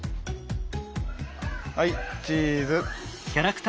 はいチーズ！